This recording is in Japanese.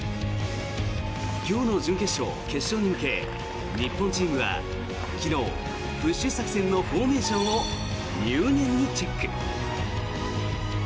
今日の準決勝、決勝に向け日本チームは昨日、プッシュ作戦のフォーメーションを入念にチェック。